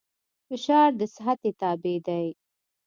فشار د سطحې تابع دی.